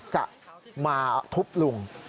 จะมาทุบลุง